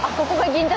銀座